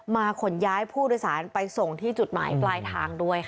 ขนย้ายผู้โดยสารไปส่งที่จุดหมายปลายทางด้วยค่ะ